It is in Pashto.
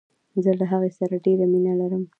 زه له هغې سره ډیره مینه لرم.